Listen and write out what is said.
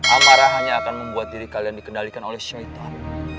amarah hanya akan membuat diri kalian dikendalikan oleh syaitan